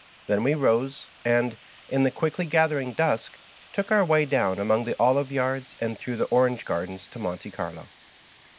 Then we rose, and, in the qnickly gathering dnsk, took onr way down among the olive yards and throngh the orange gardens to Monte Carlo.